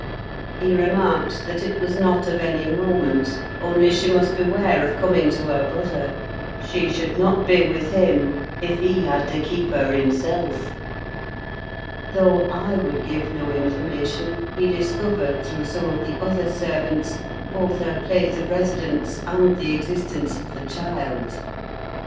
He remarked that it was not of any moment, only she must beware of coming to her brother: she should not be with him, if he had to keep her himself. Though I would give no information, he discovered, through some of the other servants, both her place of residence and the existence of the child.